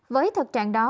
với thực trạng đó